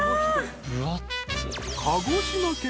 ［鹿児島県